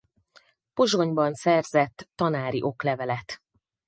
Pozsonyban szerzett tanári oklevelet.